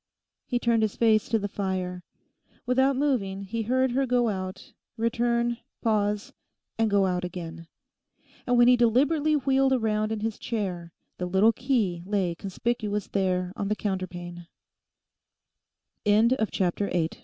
He turned his face to the fire. Without moving he heard her go out, return, pause, and go out again. And when he deliberately wheeled round in his chair the little key lay conspicuous there on the